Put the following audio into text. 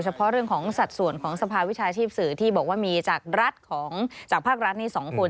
เพาะเรื่องของสัดส่วนของสภาวิชาชีพสื่อที่บอกว่ามีจากรัฐของจากภาครัฐนี่๒คน